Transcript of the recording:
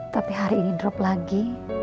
tapi hari ini drop lagi